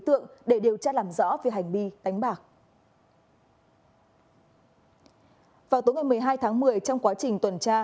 tượng để điều tra làm rõ về hành vi đánh bạc vào tối ngày một mươi hai tháng một mươi trong quá trình tuần tra